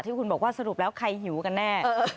ที่คุณบอกว่าสรุปแล้วใครหิวกันแน่